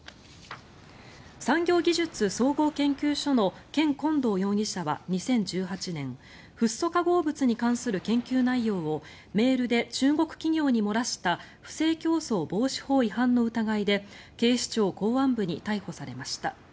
産業技術総合研究所のケン・コウドウ容疑者は２０１８年フッ素化合物に関する研究内容をメールで中国企業に漏らした不正競争防止法違反の疑いで警視庁公安部に逮捕されました。